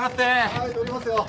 はい通りますよ。